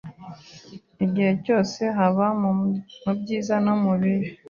igihe cyose haba mu byiza no mu bibi